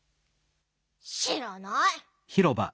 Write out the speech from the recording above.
しらない！